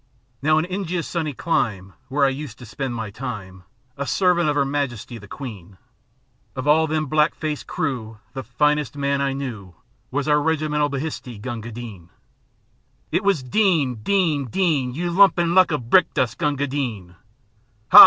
Now in Injia's sunny clime, Where I used to spend my time A servin' of 'Er Majesty the Queen, Of all them blackfaced crew The finest man I knew Was our regimental bhisti, Gunga Din. He was "Din! Din! Din! You limpin' lump o' brick dust, Gunga Din! Hi!